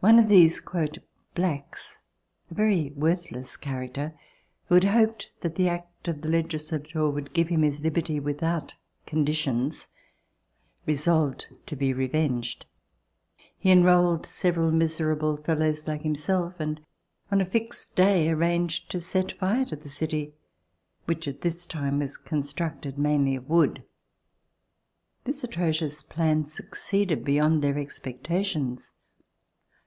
One of these "blacks," a very worthless character, who had hoped that the act of the legislature would give him his liberty with out conditions, resolved to be revenged. He enrolled several miserable fellows like himself, and on a fixed day arranged to set fire to the city, which at this time was constructed mainly of wood. This atrocious plan succeeded beyond their expectations.